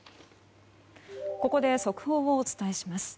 ここで速報をお伝えします。